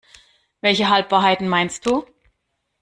Welche Halbwahrheiten meinst du?